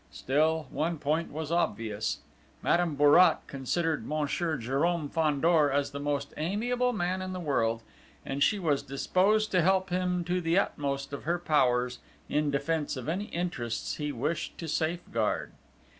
Still, one point was obvious: Madame Bourrat considered Monsieur Jérôme Fandor as the most amiable man in the world, and she was disposed to help him to the utmost of her powers, in defence of any interests he wished to safeguard....